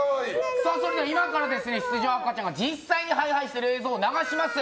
今から出場赤ちゃんが実際にハイハイする映像を流します。